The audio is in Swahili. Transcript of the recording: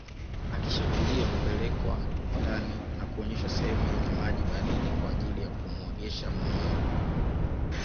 Akishatulia hupelekwa ndani na kuoneshwa sehemu yenye maji baridi kwa ajili ya kumuogesha mumewe